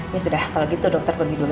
ya sudah kalau gitu dokter pergi dulu ya